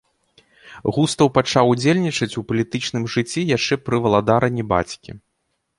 Густаў пачаў удзельнічаць у палітычным жыцці яшчэ пра валадаранні бацькі.